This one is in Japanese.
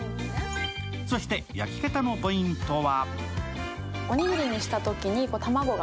そして焼き方のポイントは？